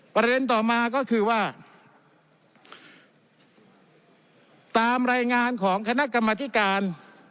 ประเด็นต่อมาก็คือว่าตามรายงานของคณะกรรมธิการ